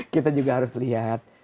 kita juga harus lihat